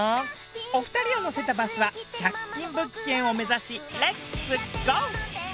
お二人を乗せたバスは１００均物件を目指しレッツゴー！